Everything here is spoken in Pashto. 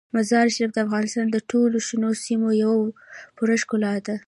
مزارشریف د افغانستان د ټولو شنو سیمو یوه پوره ښکلا ده.